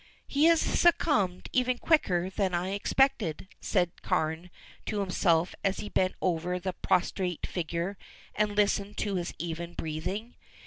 "He has succumbed even quicker than I expected," said Carne to himself as he bent over the prostrate figure and listened to his even breathing.